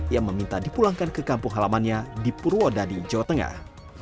yang meminta dipulangkan ke kampung halamannya di purwodadi jawa tengah